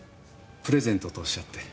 プレゼントとおっしゃって。